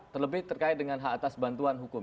terlebih terkait dengan hak atas bantuan hukum